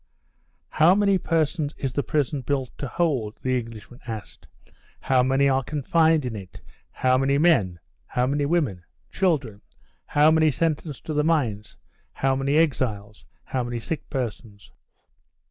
"How many persons is the prison built to hold?" the Englishman asked. "How many are confined in it? How many men? How many women? Children? How many sentenced to the mines? How many exiles? How many sick persons?"